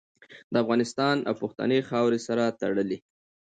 د افغانستان او پښتنې خاورې سره تړلې